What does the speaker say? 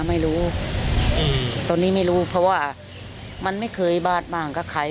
ไม่รู้อืมตอนนี้ไม่รู้เพราะว่ามันไม่เคยบาดบ้างกับใคร